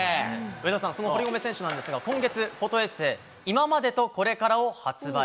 上田さん、その堀米選手なんですが、今月、フォトエッセー、いままでとこれからを発売。